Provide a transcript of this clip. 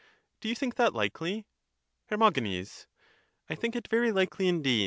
Do you think that likely? Her. I think it very likely indeed.